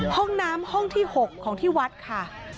ห้องน้ำห้องที่๖ของที่วัดค่ะ